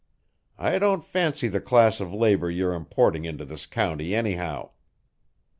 I don't fancy the class of labour you're importing into this county, anyhow."